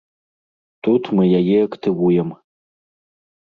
Тут мы яе актывуем.